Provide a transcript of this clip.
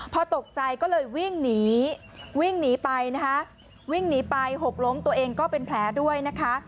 พอตกใจก็เลยวิ่งหนีวิ่งหนีไปนะคะวิ่งหนีไปหกล้มตัวเองก็เป็นแผลด้วยนะคะ